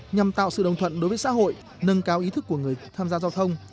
nhằm tạo sự đồng thuận đối với xã hội nâng cao ý thức của người tham gia giao thông